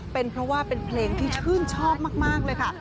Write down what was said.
เป็นเพราะว่าเป็นเพลงที่ชื่นชอบมากเลยค่ะ